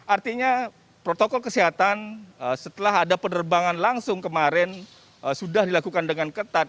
artinya protokol kesehatan setelah ada penerbangan langsung kemarin sudah dilakukan dengan ketat